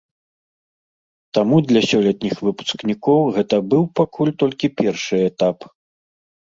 Таму для сёлетніх выпускнікоў гэта быў пакуль толькі першы этап.